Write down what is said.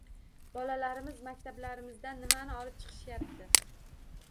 Bolalarimiz maktablarimizdan nimani olib chiqishyapti?